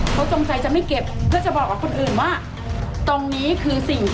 ปากกับภูมิปากกับภูมิ